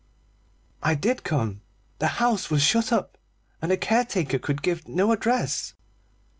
"I did come. The house was shut up, and the caretaker could give no address."